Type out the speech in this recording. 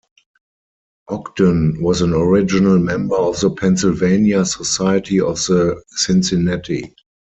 Ogden was an original member of the Pennsylvania Society of the Cincinnati.